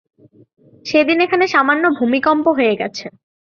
সেদিন এখানে সামান্য ভূমিকম্প হয়ে গেছে।